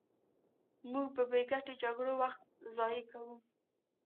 موږ په بې ګټې جګړو وخت ضایع کوو.